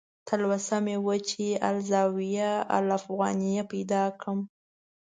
تلوسه مې وه چې "الزاویة الافغانیه" پیدا کړم.